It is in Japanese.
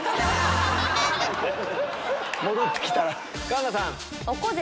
戻って来たら。